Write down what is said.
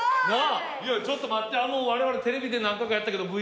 いやちょっと待ってわれわれテレビで何回かやったけどＶＲ